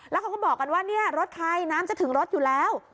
แล้วเขาก็บอกกันว่าเนี่ยรถใครน้ำจะถึงรถอยู่แล้ว